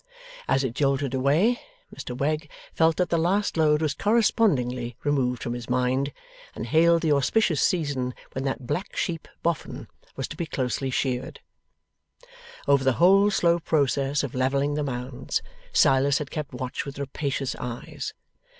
As it jolted away, Mr Wegg felt that the last load was correspondingly removed from his mind, and hailed the auspicious season when that black sheep, Boffin, was to be closely sheared. Over the whole slow process of levelling the Mounds, Silas had kept watch with rapacious eyes.